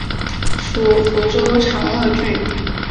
属福州长乐郡。